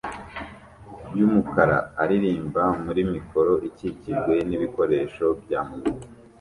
yumukara aririmba muri mikoro ikikijwe nibikoresho bya muzika